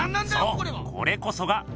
そうこれこそが！